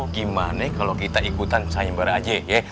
gimana kalau kita ikutan sayam bara aja ya